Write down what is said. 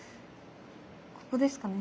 ここですかね。